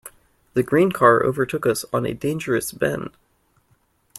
The green car overtook us on a dangerous bend.